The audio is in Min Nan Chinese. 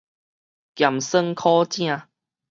鹹酸苦汫